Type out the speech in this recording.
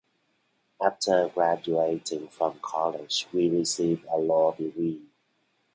After graduating from college, we received a law degree.